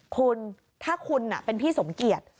คุณถ้าคุณเป็นพี่สมเกียจ